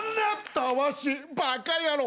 たわしバカヤロ！